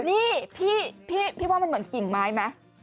นี่พี่ว่ามันเหมือนกิ่งไม้ไหม